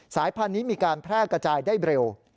สายพันธุ์นี้มีการแพร่กระจายได้เร็ว